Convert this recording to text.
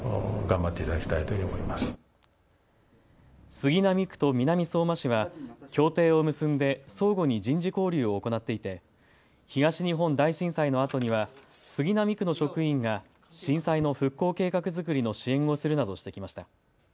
杉並区と南相馬市は協定を結んで相互に人事交流を行っていて東日本大震災のあとには杉並区の職員が震災の復興計画づくりの支援をするなどしてきました。